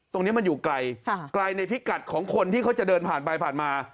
ตรงนี้มันอยู่ไกลไกลในพิกัดของคนที่เขาจะเดินผ่านไปผ่านมา